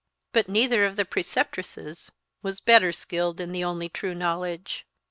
But neither of the preceptresses was better skilled in the only true knowledge.